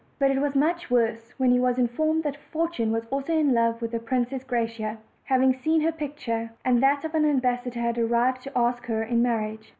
But it was much worse when he was informed that Fortune was also in love with the Princess Graciosa (for that was her name), having seen her picture, and that an ambassador had arrived to ask her in marriage.